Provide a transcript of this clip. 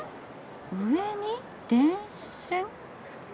上に電線？